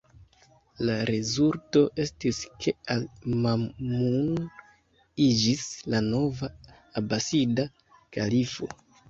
La rezulto estis ke al-Ma'mun iĝis la nova Abasida Kalifo.